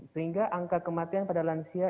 sehingga angka kematian pada lansia